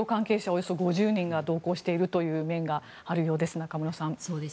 およそ５０人が同行しているという面があるようです、中室さん。